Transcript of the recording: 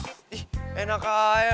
ih enak aja